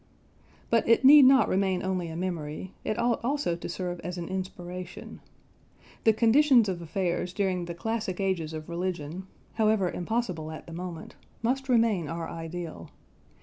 But it need not remain only a memory; it ought also to serve as an inspiration. The conditions of affairs during the classic ages of religion, however impossible at the moment, must remain our ideal.